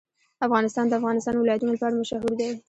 افغانستان د د افغانستان ولايتونه لپاره مشهور دی.